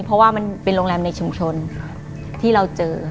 เพราะว่ามันเป็นโรงแรมในชุมชนที่เราเจอ